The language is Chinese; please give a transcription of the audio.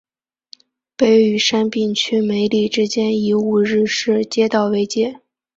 北与杉并区梅里之间以五日市街道为界。